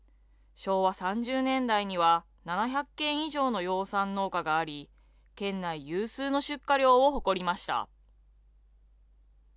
昭和３０年代には、７００軒以上の養蚕農家があり、県内有数の出荷量を誇りました。